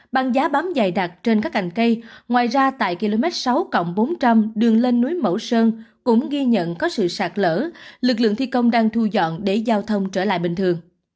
bằng giá bám dày đặc trên các cành cây ngoài ra tại km sáu bốn trăm linh đường lên núi mẫu sơn cũng ghi nhận có sự sạt lở lực lượng thi công đang thu dọn để giao thông trở lại bình thường